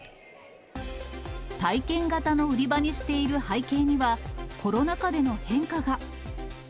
体験型の売り場にしている背景には、コロナ禍での変化が。